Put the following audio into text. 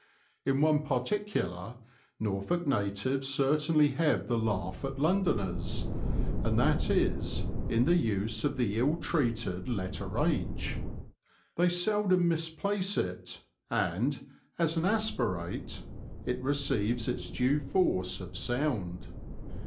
In one particular Norfolk natives certainly have the laugh at Londoners, and that is, in the use of the ill treated letter h. They seldom misplace it, and, as an aspirate, it receives its due force of sound.